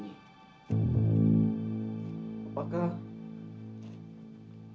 tidak ada jendela setebal apapun yang bisa kamu pakai untuk sembunyi